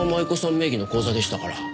名義の口座でしたから。